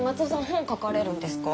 本書かれるんですか？